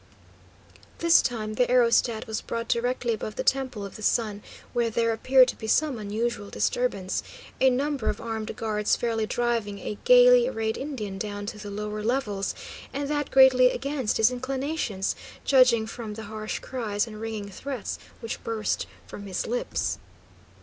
This time the aerostat was brought directly above the Temple of the Sun, where there appeared to be some unusual disturbance, a number of armed guards fairly driving a gaily arrayed Indian down to the lower levels, and that greatly against his inclinations, judging from the harsh cries and ringing threats which burst from his lips.